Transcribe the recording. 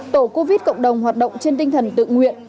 tổ covid cộng đồng hoạt động trên tinh thần tự nguyện